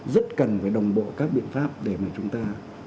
rất cần phải đồng bộ các biện pháp để mà chúng ta